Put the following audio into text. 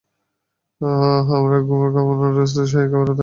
হ্যাঁ আমরা গোবর খাবো না, রোজ তো শাহী খাবার খাই তাই না?